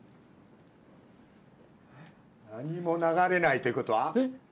何も流れないということは。